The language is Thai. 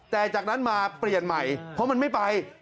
แต่จากนั้นมาเปลี่ยนใหม่เพราะมันไม่ไป